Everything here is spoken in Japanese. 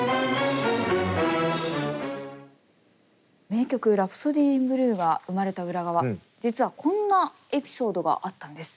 名曲「ラプソディー・イン・ブルー」が生まれた裏側実はこんなエピソードがあったんです。